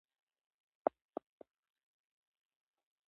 یوازې شعارونه ګټه نه لري.